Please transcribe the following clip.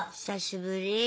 久しぶり。